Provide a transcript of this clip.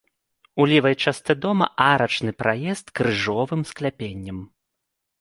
У левай частцы дома арачны праезд з крыжовым скляпеннем.